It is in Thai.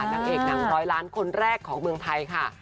นางเอกหนังร้อยล้านคนแรกของเมืองไทยค่ะ